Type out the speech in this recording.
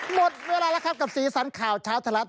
หมดเวลาแล้วครับกับสีสันข่าวเช้าทะลัด